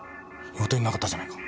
予定になかったじゃないか。